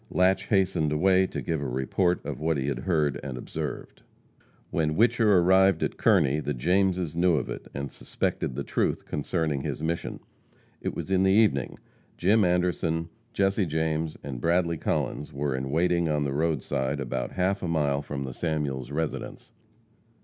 Latche hastened away to give a report of what he had heard and observed. When Whicher arrived at Kearney the Jameses knew of it, and suspected the truth concerning his mission. It was in the evening. Jim Anderson, Jesse James and Bradley Collins were in waiting on the roadside, about half a mile from the Samuels residence.